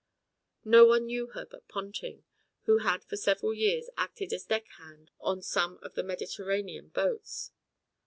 No one knew her but Ponting, who had for several years acted as deck hand on some of the Mediterranean boats.